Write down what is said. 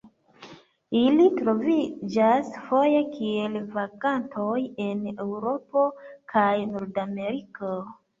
Ili troviĝas foje kiel vagantoj en Eŭropo kaj Nordameriko.